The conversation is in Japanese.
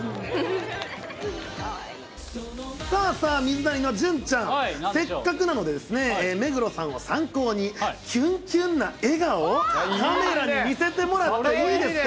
さあさあ、水谷の隼ちゃん、せっかくなのでですね、目黒さんを参考に、キュンキュンな笑顔をカメラに見せてもらっていいですか？